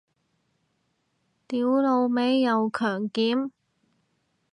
屌老味又強檢